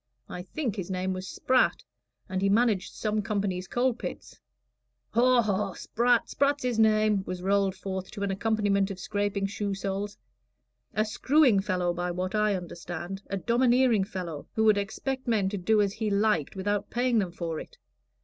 I think his name was Spratt, and he managed some company's coal pits." "Haw, haw! Spratt Spratt's his name," was rolled forth to an accompaniment of scraping shoe soles. "A screwing fellow, by what I understand a domineering fellow who would expect men to do as he liked without paying them for it.